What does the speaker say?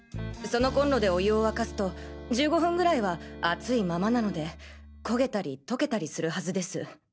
そのコンロでお湯を沸かすと１５分ぐらいは熱いままなのでコゲたり溶けたりするはずです。